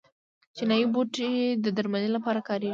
چینايي بوټي د درملنې لپاره کاریږي.